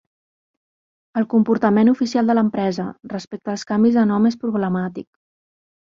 El comportament oficial de l'empresa respecte als canvis de nom és problemàtic.